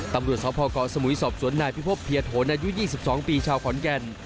ตำรวจสพกสมุยสอบสวนนายพิพบเพียโถนอายุ๒๒ปีชาวขอนแก่น